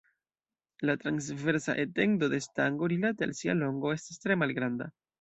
La transversa etendo de stango rilate al sia longo estas tre malgranda.